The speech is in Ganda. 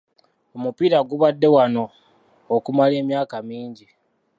Omupiira gubadde wano okumala emyaka mingi.